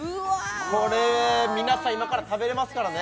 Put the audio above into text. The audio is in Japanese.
これ皆さん今から食べれますからね